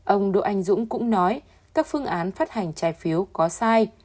ông đỗ anh dũng cũng nói các phương án phát hành trái phiếu có sai